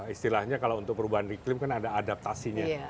istilahnya kalau untuk perubahan iklim kan ada adaptasinya